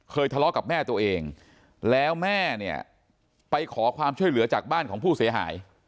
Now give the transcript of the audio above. ทะเลาะกับแม่ตัวเองแล้วแม่เนี่ยไปขอความช่วยเหลือจากบ้านของผู้เสียหาย